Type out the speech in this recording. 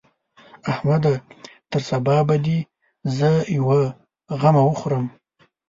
احمده! تر سبا به دې زه يوه غمه وخورم.